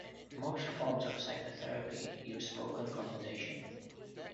Most forms of psychotherapy use spoken conversation.